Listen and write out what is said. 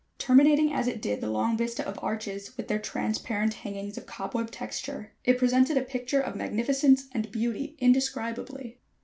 Terminating, as it did, the long vista of arches with their transparent hangings of cobweb texture, it presented a picture of magnificence and beauty indescribably.